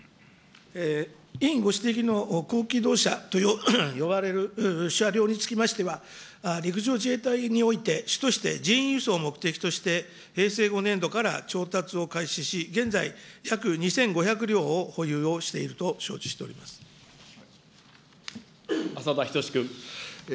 委員ご指摘の高機動車と呼ばれる車両につきましては、陸上自衛隊において、主として人員輸送を目的として、平成５年度から調達を開始し、現在、約２５００両を保有をしていると承知しており浅田均君。